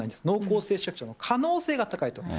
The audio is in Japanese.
濃厚接触者の可能性が高いと。